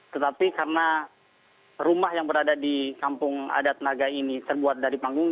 tetapi karena rumah yang berada di kampung adat naga ini terbuat dari panggung